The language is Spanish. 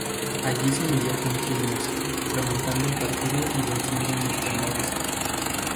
Allí se midió con Quilmes, remontando el partido y venciendo en los penales.